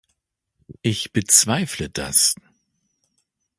Ich bezweifle das!